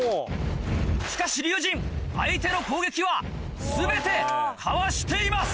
しかし龍心相手の攻撃は全てかわしています。